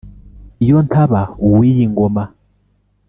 Iyo ntaba uw'iyi ngoma